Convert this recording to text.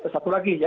satu lagi ya